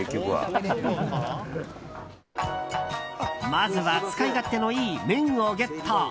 まずは使い勝手のいい麺をゲット。